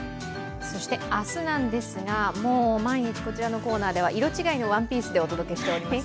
そして明日なんですが、毎日こちらのコーナーでは色違いのワンピースでお届けしています。